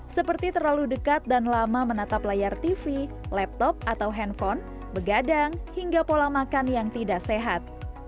seperti terlalu dekat dan lama menatap layar tv laptop atau handphone begadang hingga pola makan yang tidak sehat